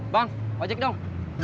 bang wajek dong